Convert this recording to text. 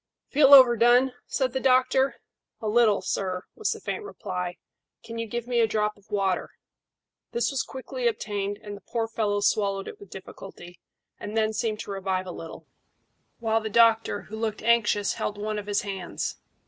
"Feel overdone?" said the doctor. "A little, sir," was the faint reply. "Can you give me a drop of the water?" This was quickly obtained, and the poor fellow swallowed it with difficulty, and then seemed to revive a little, while the doctor, who looked anxious, held one of his hands.